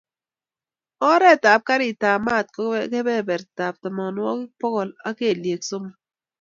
Oret ab karit ab maat ko keperperta tamanwokik bokol, ak keliek somok